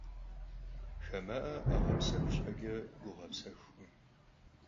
Xame'e 'eğepsexu şheç'e, gu ğepsexukhım.